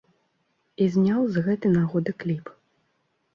І зняў з гэтай нагоды кліп.